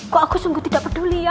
kok aku sungguh tidak peduli ya